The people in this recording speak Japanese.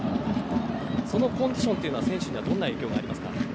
そのコンディションは選手にはどんな影響がありますか。